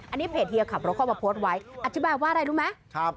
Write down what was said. อันนี้เพจเฮียขับรถเข้ามาโพสต์ไว้อธิบายว่าอะไรรู้ไหม